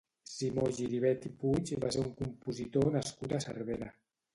Simó Giribet i Puig va ser un compositor nascut a Cervera.